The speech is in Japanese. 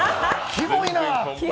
キモいなあ。